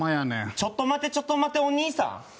ちょっと待てちょっと待てお兄さん！